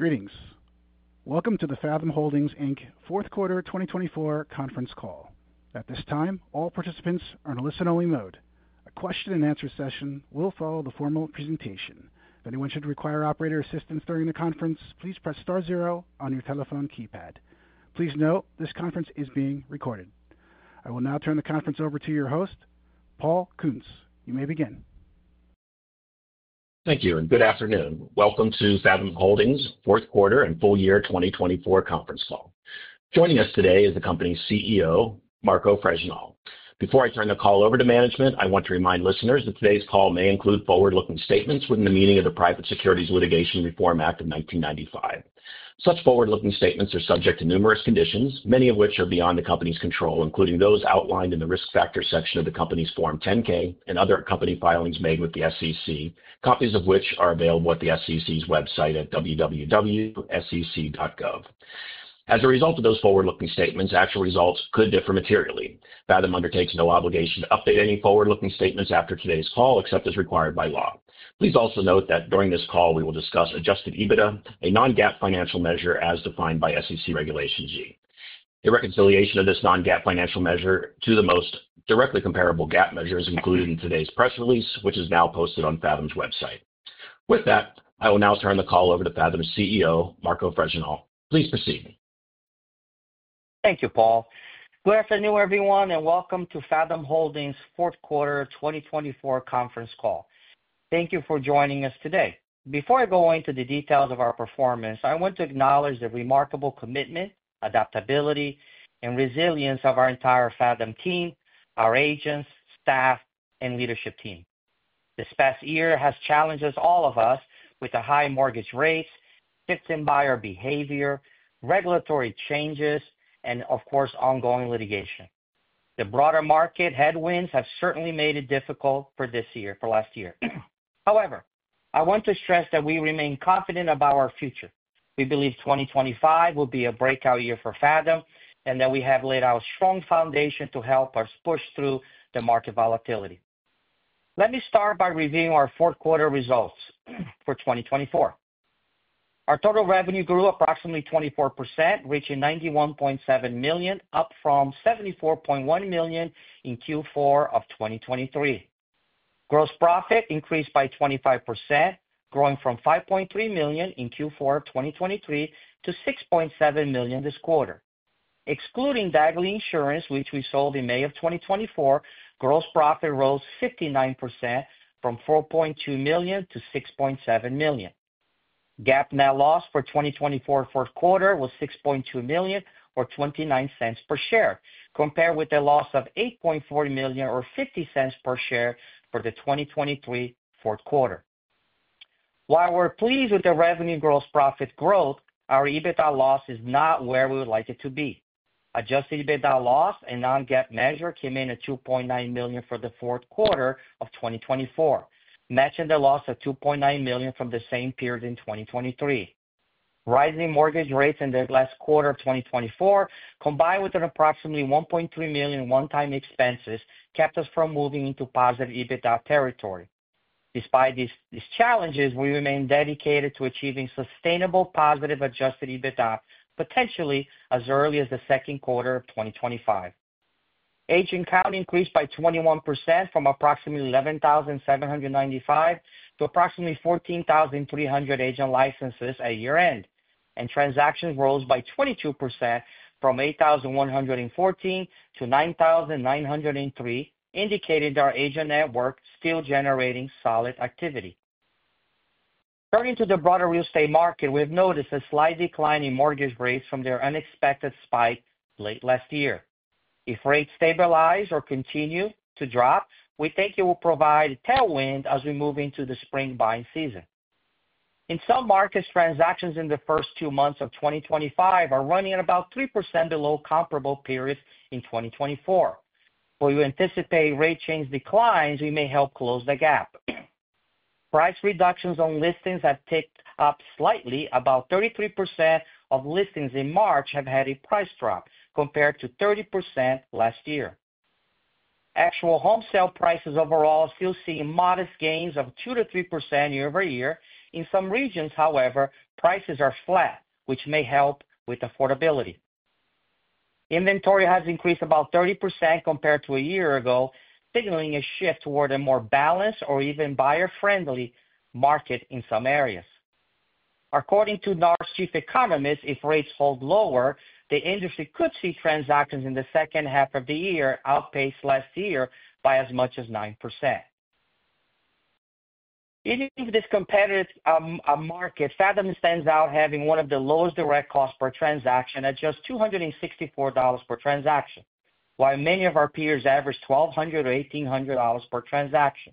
Greetings. Welcome to the Fathom Holdings fourth quarter 2024 conference call. At this time, all participants are in a listen-only mode. A question-and-answer session will follow the formal presentation. If anyone should require operator assistance during the conference, please press star zero on your telephone keypad. Please note this conference is being recorded. I will now turn the conference over to your host, Paul Kuntz. You may begin. Thank you, and good afternoon. Welcome to Fathom Holdings' fourth quarter and full year 2024 conference call. Joining us today is the company's CEO, Marco Fregenal. Before I turn the call over to management, I want to remind listeners that today's call may include forward-looking statements within the meaning of the Private Securities Litigation Reform Act of 1995. Such forward-looking statements are subject to numerous conditions, many of which are beyond the company's control, including those outlined in the risk factor section of the company's Form 10-K and other company filings made with the SEC, copies of which are available at the SEC's website at www.sec.gov. As a result of those forward-looking statements, actual results could differ materially. Fathom undertakes no obligation to update any forward-looking statements after today's call, except as required by law. Please also note that during this call, we will discuss adjusted EBITDA, a non-GAAP financial measure as defined by SEC Regulation G. The reconciliation of this non-GAAP financial measure to the most directly comparable GAAP measure is included in today's press release, which is now posted on Fathom's website. With that, I will now turn the call over to Fathom's CEO, Marco Fregenal. Please proceed. Thank you, Paul. Good afternoon, everyone, and welcome to Fathom Holdings' fourth quarter 2024 conference call. Thank you for joining us today. Before I go into the details of our performance, I want to acknowledge the remarkable commitment, adaptability, and resilience of our entire Fathom team, our agents, staff, and leadership team. This past year has challenged all of us with the high mortgage rates, complex buyer behavior, regulatory changes, and, of course, ongoing litigation. The broader market headwinds have certainly made it difficult for this year, for last year. However, I want to stress that we remain confident about our future. We believe 2025 will be a breakout year for Fathom and that we have laid out a strong foundation to help us push through the market volatility. Let me start by reviewing our fourth quarter results for 2024. Our total revenue grew approximately 24%, reaching $91.7 million, up from $74.1 million in Q4 of 2023. Gross profit increased by 25%, growing from $5.3 million in Q4 of 2023 to $6.7 million this quarter. Excluding Dagley Insurance, which we sold in May of 2024, gross profit rose 59%, from $4.2 million to $6.7 million. GAAP net loss for 2024 fourth quarter was $6.2 million, or $0.29 per share, compared with a loss of $8.4 million, or $0.50 per share, for the 2023 fourth quarter. While we're pleased with the revenue and gross profit growth, our EBITDA loss is not where we would like it to be. Adjusted EBITDA loss and non-GAAP measure came in at $2.9 million for the fourth quarter of 2024, matching the loss of $2.9 million from the same period in 2023. Rising mortgage rates in the last quarter of 2024, combined with an approximately $1.3 million one-time expenses, kept us from moving into positive EBITDA territory. Despite these challenges, we remain dedicated to achieving sustainable positive adjusted EBITDA, potentially as early as the second quarter of 2025. Agent count increased by 21%, from approximately 11,795 to approximately 14,300 agent licenses at year-end, and transactions rose by 22%, from 8,114 to 9,903, indicating that our agent network is still generating solid activity. Turning to the broader real estate market, we have noticed a slight decline in mortgage rates from their unexpected spike late last year. If rates stabilize or continue to drop, we think it will provide a tailwind as we move into the spring buying season. In some markets, transactions in the first two months of 2025 are running at about 3% below comparable periods in 2024. While we anticipate rate change declines, we may help close the gap. Price reductions on listings have ticked up slightly; about 33% of listings in March have had a price drop, compared to 30% last year. Actual home sale prices overall still see modest gains of 2%-3% year-over-year. In some regions, however, prices are flat, which may help with affordability. Inventory has increased about 30% compared to a year ago, signaling a shift toward a more balanced or even buyer-friendly market in some areas. According to NAR's Chief Economist, if rates hold lower, the industry could see transactions in the second half of the year outpace last year by as much as 9%. In this competitive market, Fathom stands out as having one of the lowest direct costs per transaction at just $264 per transaction, while many of our peers average $1,200 or $1,800 per transaction.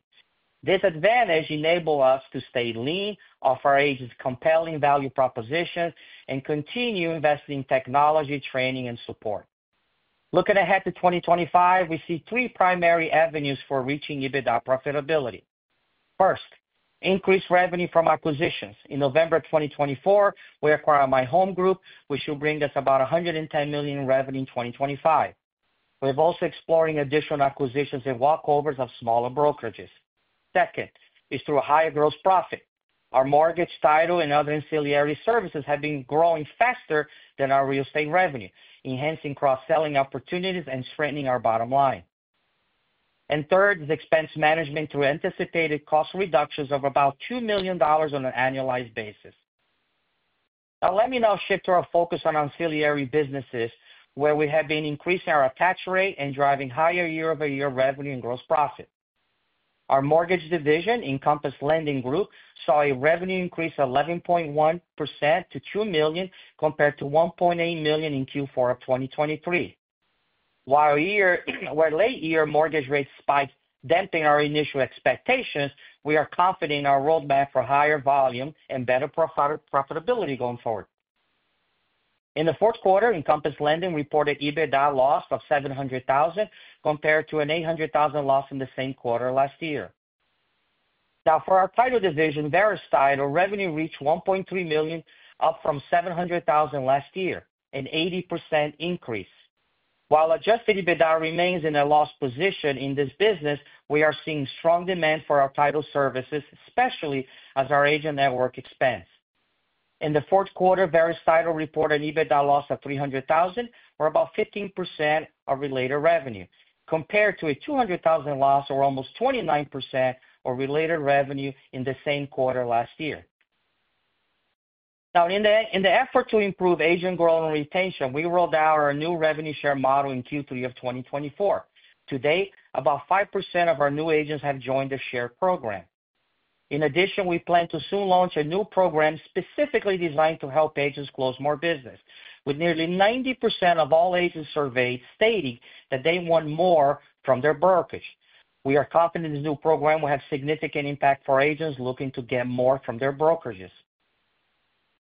This advantage enables us to stay lean, offer our agents' compelling value propositions and continue investing in technology, training, and support. Looking ahead to 2025, we see three primary avenues for reaching EBITDA profitability. First, increased revenue from acquisitions. In November 2024, we acquired My Home Group, which should bring us about $110 million in revenue in 2025. We're also exploring additional acquisitions and walkovers of smaller brokerages. Second is through a higher gross profit. Our mortgage, title, and other ancillary services have been growing faster than our real estate revenue, enhancing cross-selling opportunities and strengthening our bottom line. Third is expense management through anticipated cost reductions of about $2 million on an annualized basis. Now let me shift to our focus on ancillary businesses, where we have been increasing our attach rate and driving higher year-over-year revenue and gross profit. Our mortgage division, Encompass Lending Group, saw a revenue increase of 11.1% to $2 million, compared to $1.8 million in Q4 of 2023. While late-year mortgage rates spiked, dampening our initial expectations, we are confident in our roadmap for higher volume and better profitability going forward. In the fourth quarter, Encompass Lending reported EBITDA loss of $700,000, compared to an $800,000 loss in the same quarter last year. Now, for our title division, Verus Title, revenue reached $1.3 million, up from $700,000 last year, an 80% increase. While adjusted EBITDA remains in a loss position in this business, we are seeing strong demand for our title services, especially as our agent network expands. In the fourth quarter, Verus Title reported EBITDA loss of $300,000, or about 15% of related revenue, compared to a $200,000 loss, or almost 29% of related revenue in the same quarter last year. Now, in the effort to improve agent growth and retention, we rolled out our new revenue share model in Q3 of 2024. To date, about 5% of our new agents have joined the share program. In addition, we plan to soon launch a new program specifically designed to help agents close more business, with nearly 90% of all agents surveyed stating that they want more from their brokerage. We are confident this new program will have a significant impact for agents looking to get more from their brokerages.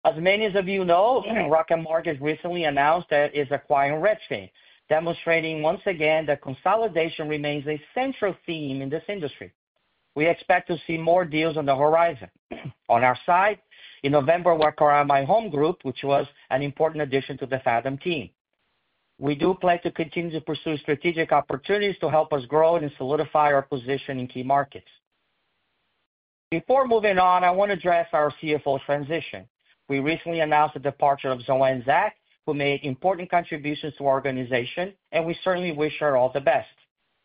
As many of you know, Rocket Mortgage recently announced that it is acquiring Redfin, demonstrating once again that consolidation remains a central theme in this industry. We expect to see more deals on the horizon. On our side, in November, we acquired My Home Group, which was an important addition to the Fathom team. We do plan to continue to pursue strategic opportunities to help us grow and solidify our position in key markets. Before moving on, I want to address our CFO transition. We recently announced the departure of Joanne Zach, who made important contributions to our organization, and we certainly wish her all the best.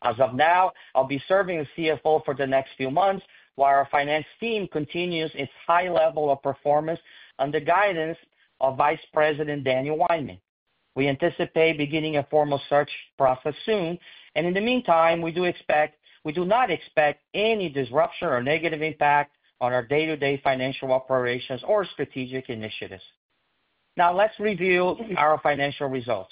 As of now, I'll be serving as CFO for the next few months, while our finance team continues its high level of performance under the guidance of Vice President Daniel Weinmann. We anticipate beginning a formal search process soon, and in the meantime, we do not expect any disruption or negative impact on our day-to-day financial operations or strategic initiatives. Now, let's review our financial results.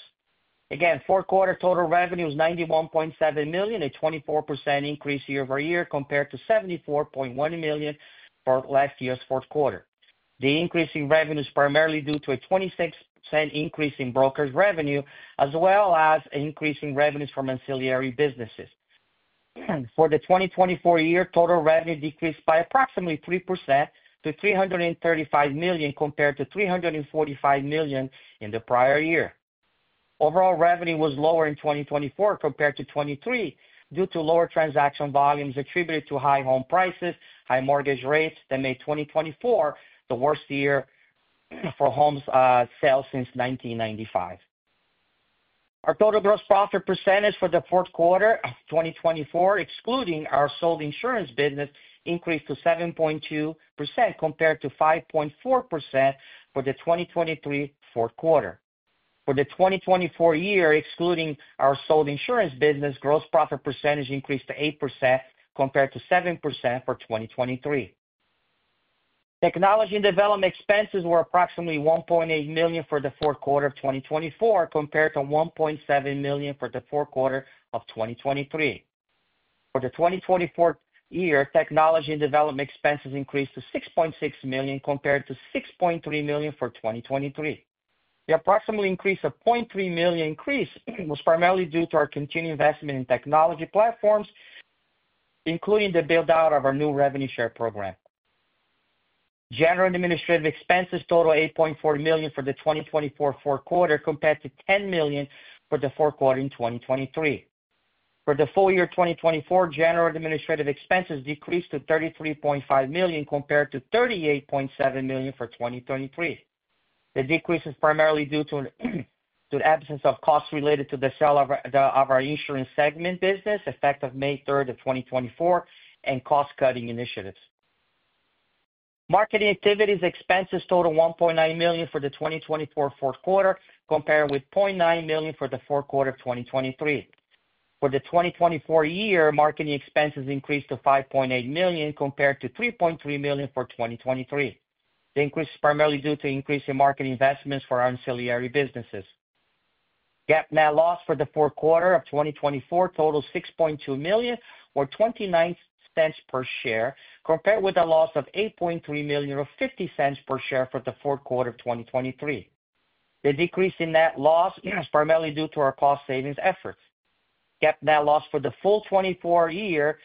Again, fourth quarter total revenue was $91.7 million, a 24% increase year-over-year, compared to $74.1 million for last year's fourth quarter. The increase in revenue is primarily due to a 26% increase in brokerage revenue, as well as increasing revenues from ancillary businesses. For the 2024 year, total revenue decreased by approximately 3% to $335 million, compared to $345 million in the prior year. Overall revenue was lower in 2024 compared to 2023 due to lower transaction volumes attributed to high home prices, high mortgage rates that made 2024 the worst year for home sales since 1995. Our total gross profit percentage for the fourth quarter of 2024, excluding our sold insurance business, increased to 7.2%, compared to 5.4% for the 2023 fourth quarter. For the 2024 year, excluding our sold insurance business, gross profit percentage increased to 8%, compared to 7% for 2023. Technology and development expenses were approximately $1.8 million for the fourth quarter of 2024, compared to $1.7 million for the fourth quarter of 2023. For the 2024 year, technology and development expenses increased to $6.6 million, compared to $6.3 million for 2023. The approximate increase of $0.3 million was primarily due to our continued investment in technology platforms, including the build-out of our new revenue share program. General administrative expenses totaled $8.4 million for the 2024 fourth quarter, compared to $10 million for the fourth quarter in 2023. For the full year 2024, general administrative expenses decreased to $33.5 million, compared to $38.7 million for 2023. The decrease is primarily due to the absence of costs related to the sale of our insurance segment business, effective May 3rd of 2024, and cost-cutting initiatives. Marketing activities expenses totaled $1.9 million for the 2024 fourth quarter, compared with $0.9 million for the fourth quarter of 2023. For the 2024 year, marketing expenses increased to $5.8 million, compared to $3.3 million for 2023. The increase is primarily due to increasing market investments for ancillary businesses. GAAP net loss for the fourth quarter of 2024 totaled $6.2 million, or $0.29 per share, compared with a loss of $8.3 million, or $0.50 per share for the fourth quarter of 2023. The decrease in net loss is primarily due to our cost-savings efforts. GAAP net loss for the full 2024 year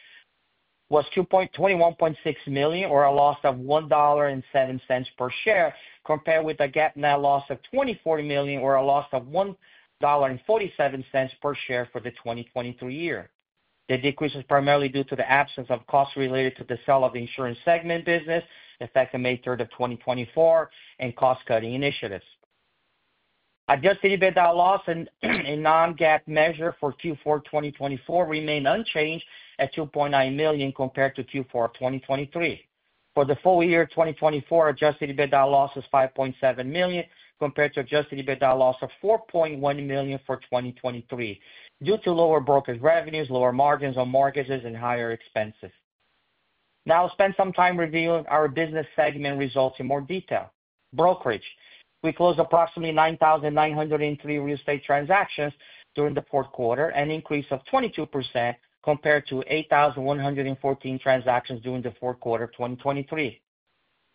was $21.6 million, or a loss of $1.07 per share, compared with a GAAP net loss of $24 million, or a loss of $1.47 per share for the 2023 year. The decrease is primarily due to the absence of costs related to the sale of insurance segment business, effective May 3rd of 2024, and cost-cutting initiatives. Adjusted EBITDA loss and non-GAAP measure for Q4 2024 remain unchanged at $2.9 million compared to Q4 2023. For the full year 2024, adjusted EBITDA loss is $5.7 million, compared to adjusted EBITDA loss of $4.1 million for 2023, due to lower brokerage revenues, lower margins on mortgages, and higher expenses. Now, I'll spend some time reviewing our business segment results in more detail. Brokerage. We closed approximately 9,903 real estate transactions during the fourth quarter, an increase of 22%, compared to 8,114 transactions during the fourth quarter of 2023.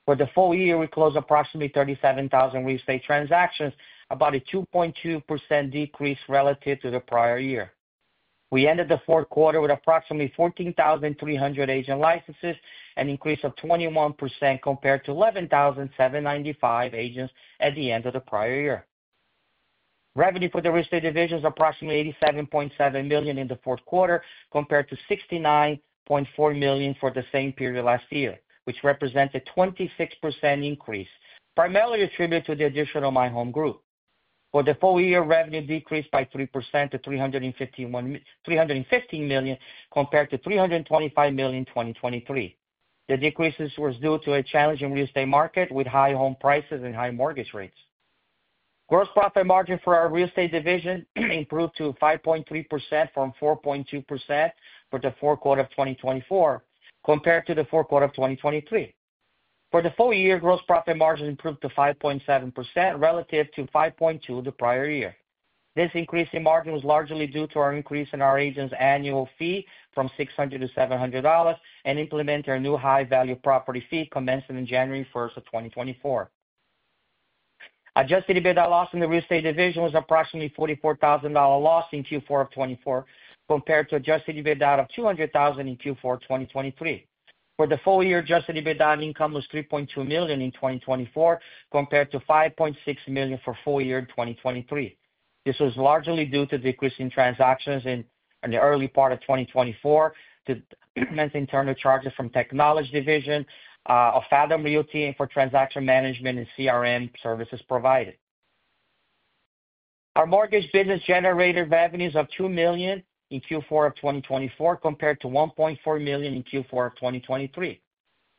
For the full year, we closed approximately 37,000 real estate transactions, about a 2.2% decrease relative to the prior year. We ended the fourth quarter with approximately 14,300 agent licenses, an increase of 21%, compared to 11,795 agents at the end of the prior year. Revenue for the real estate division is approximately $87.7 million in the fourth quarter, compared to $69.4 million for the same period last year, which represents a 26% increase, primarily attributed to the addition of My Home Group. For the full year, revenue decreased by 3% to $315 million, compared to $325 million in 2023. The decreases were due to a challenging real estate market with high home prices and high mortgage rates. Gross profit margin for our real estate division improved to 5.3% from 4.2% for the fourth quarter of 2024, compared to the fourth quarter of 2023. For the full year, gross profit margin improved to 5.7%, relative to 5.2% the prior year. This increase in margin was largely due to our increase in our agent's annual fee from $600 to $700, and implementing our new high-value property fee commencing on January 1st of 2024. Adjusted EBITDA loss in the real estate division was approximately $44,000 loss in Q4 of 2024, compared to adjusted EBITDA of $200,000 in Q4 2023. For the full year, adjusted EBITDA income was $3.2 million in 2024, compared to $5.6 million for full year 2023. This was largely due to decreasing transactions in the early part of 2024, to incremental internal charges from the technology division of Fathom Realty and for transaction management and CRM services provided. Our mortgage business generated revenues of $2 million in Q4 of 2024, compared to $1.4 million in Q4 of 2023.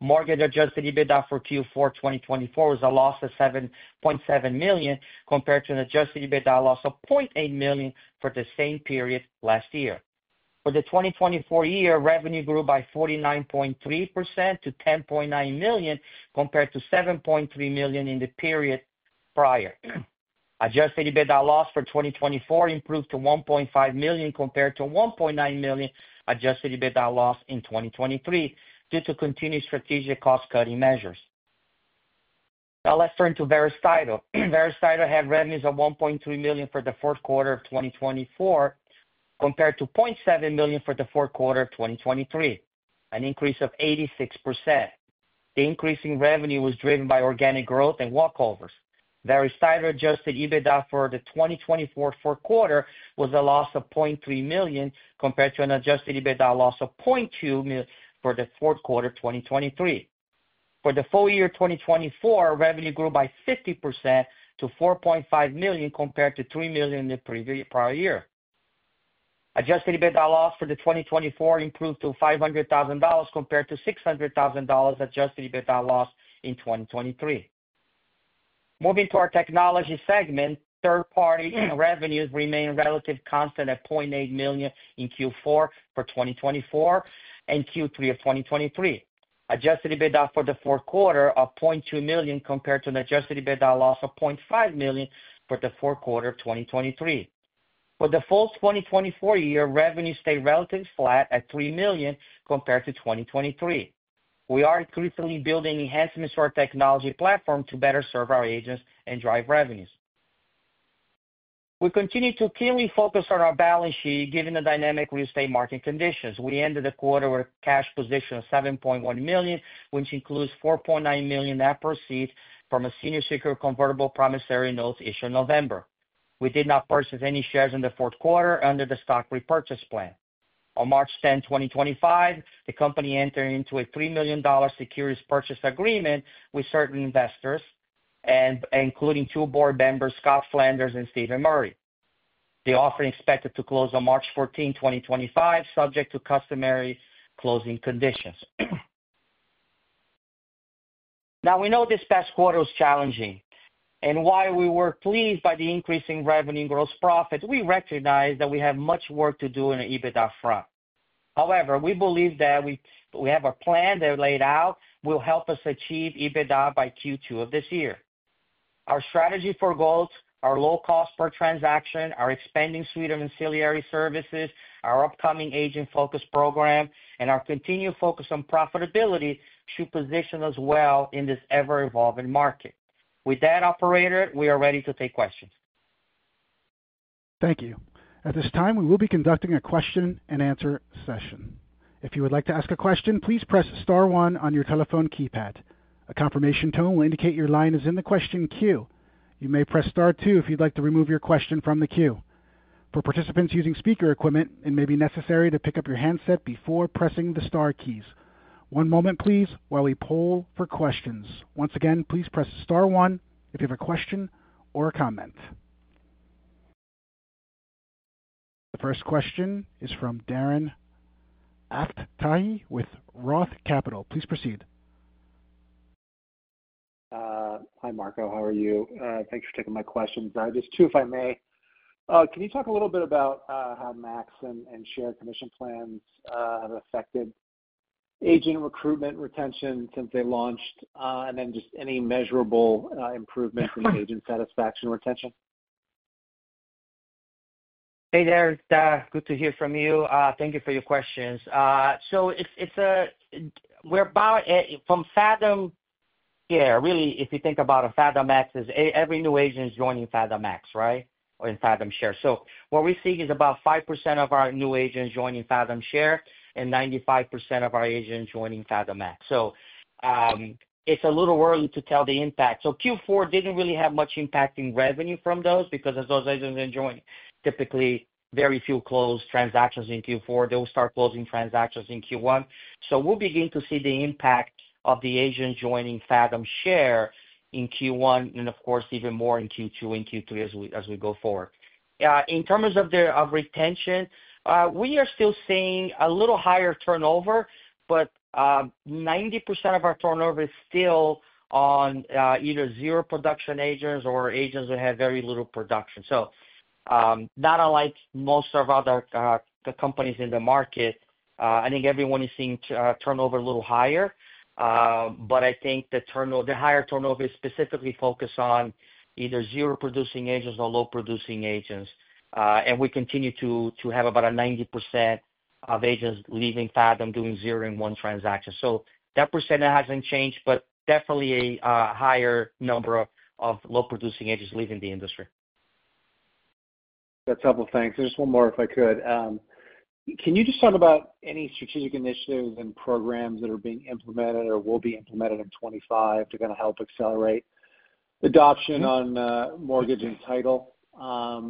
Mortgage adjusted EBITDA for Q4 2024 was a loss of $7.7 million, compared to an adjusted EBITDA loss of $0.8 million for the same period last year. For the 2024 year, revenue grew by 49.3% to $10.9 million, compared to $7.3 million in the period prior. Adjusted EBITDA loss for 2024 improved to $1.5 million, compared to $1.9 million adjusted EBITDA loss in 2023, due to continued strategic cost-cutting measures. Now, let's turn to Verus Title. Verus Title had revenues of $1.3 million for the fourth quarter of 2024, compared to $0.7 million for the fourth quarter of 2023, an increase of 86%. The increase in revenue was driven by organic growth and walkovers. Verus Title adjusted EBITDA for the 2024 fourth quarter was a loss of $0.3 million, compared to an adjusted EBITDA loss of $0.2 million for the fourth quarter of 2023. For the full year 2024, revenue grew by 50% to $4.5 million, compared to $3 million in the previous prior year. Adjusted EBITDA loss for the 2024 improved to $500,000, compared to $600,000 adjusted EBITDA loss in 2023. Moving to our technology segment, third-party revenues remained relatively constant at $0.8 million in Q4 for 2024 and Q3 of 2023. Adjusted EBITDA for the fourth quarter of $0.2 million, compared to an adjusted EBITDA loss of $0.5 million for the fourth quarter of 2023. For the full 2024 year, revenues stayed relatively flat at $3 million, compared to 2023. We are increasingly building enhancements to our technology platform to better serve our agents and drive revenues. We continue to keenly focus on our balance sheet, given the dynamic real estate market conditions. We ended the quarter with a cash position of $7.1 million, which includes $4.9 million net proceeds from a senior security convertible promissory note issued in November. We did not purchase any shares in the fourth quarter under the stock repurchase plan. On March 10th, 2025, the company entered into a $3 million securities purchase agreement with certain investors, including two board members, Scott Flanders and Stephen Murray. The offering is expected to close on March 14, 2025, subject to customary closing conditions. We know this past quarter was challenging. While we were pleased by the increase in revenue and gross profit, we recognize that we have much work to do on the EBITDA front. However, we believe that we have a plan that we laid out will help us achieve EBITDA by Q2 of this year. Our strategy for growth, our low cost per transaction, our expanding suite of ancillary services, our upcoming agent-focused program, and our continued focus on profitability should position us well in this ever-evolving market. With that, operator, we are ready to take questions. Thank you. At this time, we will be conducting a question-and-answer session. If you would like to ask a question, please press Star 1 on your telephone keypad. A confirmation tone will indicate your line is in the question queue. You may press Star 2 if you'd like to remove your question from the queue. For participants using speaker equipment, it may be necessary to pick up your handset before pressing the Star keys. One moment, please, while we poll for questions. Once again, please press Star 1 if you have a question or a comment. The first question is from Darren Aftahi with Roth Capital. Please proceed. Hi, Marco. How are you? Thanks for taking my questions. Just two, if I may. Can you talk a little bit about how Max and Share commission plans have affected agent recruitment retention since they launched, and then just any measurable improvements in agent satisfaction retention? Hey, there. It's good to hear from you. Thank you for your questions. We're about at, from Fathom Share, really, if you think about a Fathom Max, every new agent is joining Fathom Max, right, or in Fathom Share. What we're seeing is about 5% of our new agents joining Fathom Share and 95% of our agents joining Fathom Max. It's a little early to tell the impact. Q4 didn't really have much impact in revenue from those because as those agents are joining, typically, very few closed transactions in Q4. They will start closing transactions in Q1. We'll begin to see the impact of the agents joining Fathom Share in Q1, and of course, even more in Q2 and Q3 as we go forward. In terms of retention, we are still seeing a little higher turnover, but 90% of our turnover is still on either zero production agents or agents who have very little production. Not unlike most other companies in the market, I think everyone is seeing turnover a little higher. I think the higher turnover is specifically focused on either zero-producing agents or low-producing agents. We continue to have about 90% of agents leaving Fathom doing zero and one transactions. That percent hasn't changed, but definitely a higher number of low-producing agents leaving the industry. That's helpful. Thanks. Just one more, if I could. Can you just talk about any strategic initiatives and programs that are being implemented or will be implemented in 2025 to kind of help accelerate adoption on mortgage and title? Are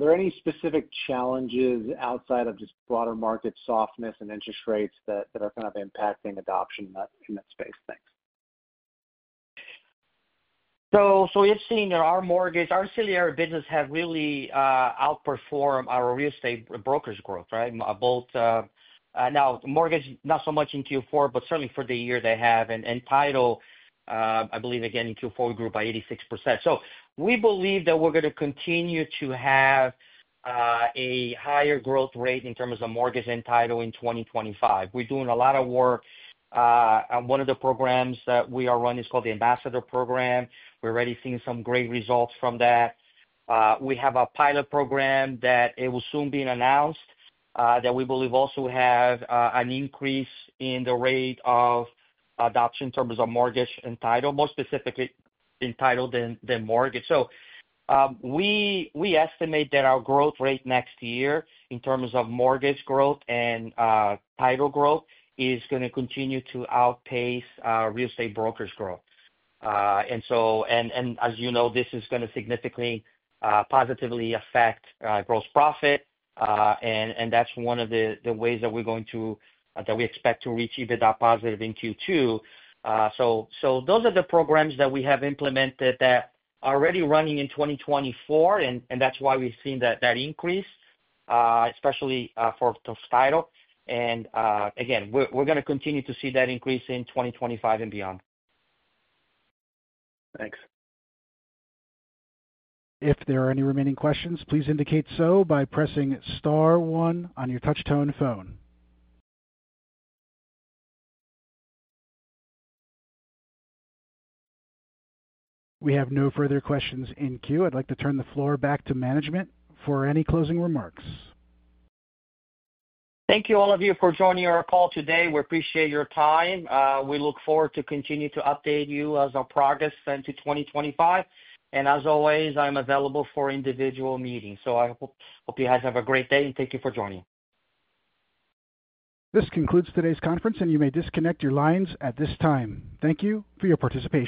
there any specific challenges outside of just broader market softness and interest rates that are kind of impacting adoption in that space? Thanks. We have seen our mortgage, our ancillary business have really outperformed our real estate brokerage growth, right? Now, mortgage, not so much in Q4, but certainly for the year they have. Title, I believe, again, in Q4, we grew by 86%. We believe that we're going to continue to have a higher growth rate in terms of mortgage and title in 2025. We're doing a lot of work. One of the programs that we are running is called the Ambassador Program. We're already seeing some great results from that. We have a pilot program that will soon be announced that we believe also will have an increase in the rate of adoption in terms of mortgage and title, more specifically in title than mortgage. We estimate that our growth rate next year in terms of mortgage growth and title growth is going to continue to outpace real estate brokerage growth. As you know, this is going to significantly positively affect gross profit. That is one of the ways that we expect to reach EBITDA positive in Q2. Those are the programs that we have implemented that are already running in 2024, and that is why we have seen that increase, especially for title. Again, we are going to continue to see that increase in 2025 and beyond. Thanks. If there are any remaining questions, please indicate so by pressing Star 1 on your touchtone phone. We have no further questions in queue. I'd like to turn the floor back to management for any closing remarks. Thank you, all of you, for joining our call today. We appreciate your time. We look forward to continuing to update you as our progress into 2025. As always, I'm available for individual meetings. I hope you guys have a great day, and thank you for joining. This concludes today's conference, and you may disconnect your lines at this time. Thank you for your participation.